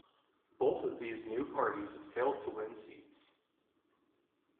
Both these new parties failed to win seats.